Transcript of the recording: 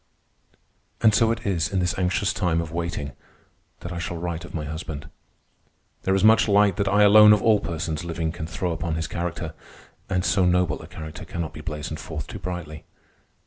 And so it is, in this anxious time of waiting, that I shall write of my husband. There is much light that I alone of all persons living can throw upon his character, and so noble a character cannot be blazoned forth too brightly.